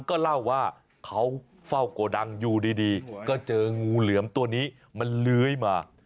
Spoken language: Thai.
ก็เล่าว่าเขาเฝ้าโกดังอยู่ดีก็เจองูเหลือมตัวนี้มันเลื้อยมา